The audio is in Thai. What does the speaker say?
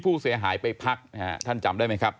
ผู้เสียหายไปพักนะฮะท่านจำได้ไหมครับ